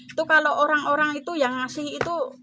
itu kalau orang orang itu yang ngasih itu